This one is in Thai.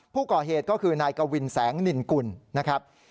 ผู้ก่อเหตุก็คือนายกวินแสงนินกุลนะครับ